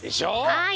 はい。